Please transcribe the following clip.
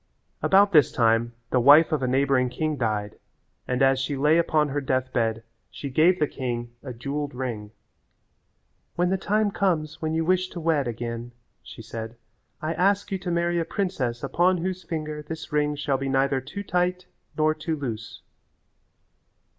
About this time the wife of a neighbouring king died and as she lay upon her death bed she gave the king a jewelled ring. "When the time comes when you wish to wed again," she said, "I ask you to marry a princess upon whose finger this ring shall be neither too tight nor too loose."